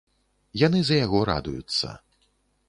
Яны за яго радуюцца.